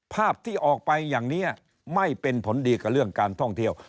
ภาพที่ออกไปอย่างนี้ไม่เป็นผลดีกับเรื่องการท่องเที่ยว